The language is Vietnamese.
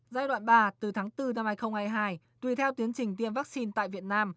giai đoạn ba từ tháng bốn năm hai nghìn hai mươi hai tùy theo tiến trình tiêm vaccine tại việt nam